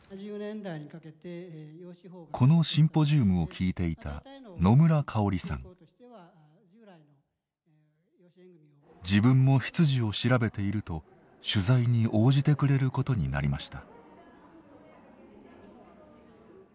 このシンポジウムを聞いていた自分も出自を調べていると取材に応じてくれることになりました。